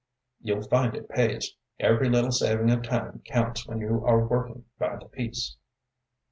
You'll find it pays. Every little saving of time counts when you are workin' by the piece."